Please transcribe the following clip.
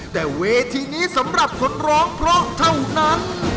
แต่เวทีนี้สำหรับคนร้องเพราะเท่านั้น